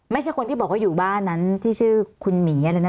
ไม่ใช่คนที่บอกว่าอยู่บ้านนั้นที่ชื่อคุณหมีอะไรนะ